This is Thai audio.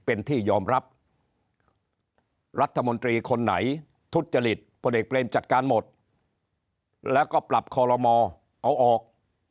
เป็นที่ยอมรับรัฐมนตรีคนไหนทุจจริตพลเอกเบรมจัดการหมดแล้วก็ปรับคอลโลมเอาออก